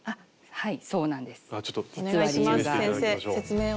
はい。